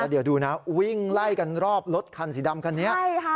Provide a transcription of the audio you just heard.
เดี๋ยวดูนะวิ่งไล่กันรอบรถคันสีดำคันนี้